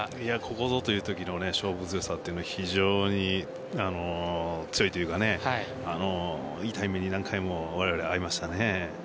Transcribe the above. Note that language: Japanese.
ここぞというときの勝負強さは非常に強いというかいいタイミングでわれわれ、何回も遭いました。